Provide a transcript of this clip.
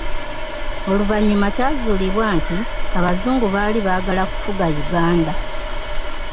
Oluvannyuma kyazuulibwa nti abazungu baali baagala kufuga Uganda.